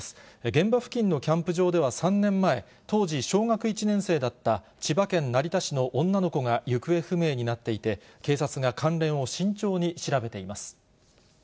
現場付近のキャンプ場では、３年前、当時小学１年生だった千葉県成田市の女の子が行方不明になっていて、警察が関連を慎重に調べています。